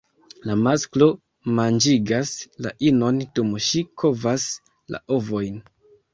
La masklo manĝigas la inon dum ŝi kovas la ovojn.